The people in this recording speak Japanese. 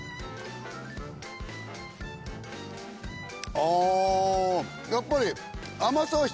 ああーやっぱり。